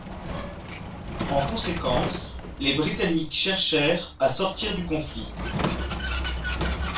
En conséquence, les britanniques cherchèrent à sortir du conflit.